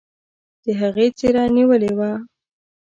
د هغې څيره نيولې وه.